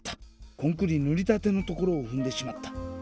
コンクリぬりたてのところをふんでしまった。